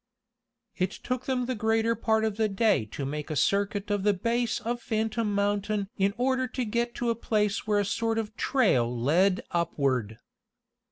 It took them the greater part of the day to make a circuit of the base of Phantom Mountain in order to get to a place where a sort of trail led upward.